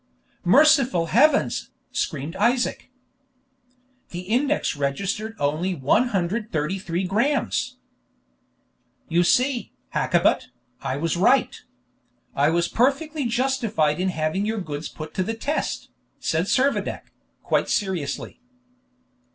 "Merciful heavens!" screamed Isaac. The index registered only 133 grammes! "You see, Hakkabut, I was right. I was perfectly justified in having your goods put to the test," said Servadac, quite seriously.